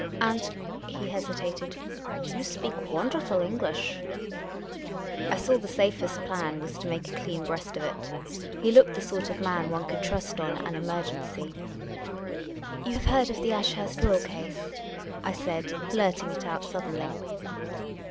And " he hesitated, " you speak w^onderful Eng lish !" I saw the safest plan was to make a clean breast of it. He looked the sort of man one could trust on an emergency. " You have heard of the Ashurst will case ?" I said, blurt ing it out suddenly.